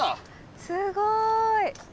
すごい。